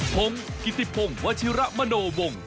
พงศ์กิธิพงศ์วัชิระมโนวงศ์